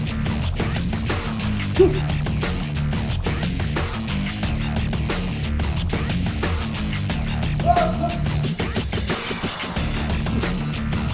iya gak temen aku